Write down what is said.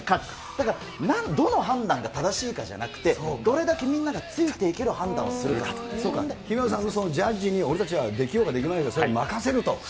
だから、どの判断が正しいかじゃなくて、どれだけみんながつそうか、姫野さんのそのジャッジに俺たちはできようができまいが任せると。